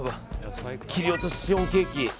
切り落としシフォンケーキ。